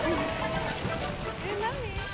えっ何？